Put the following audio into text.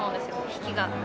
引きが。